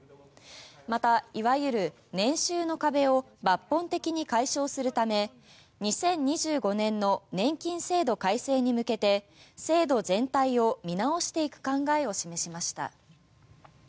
また、いわゆる年収の壁を抜本的に解消するため２０２５年の年金制度改正に向けて制度全体を見直していく考えを示しました。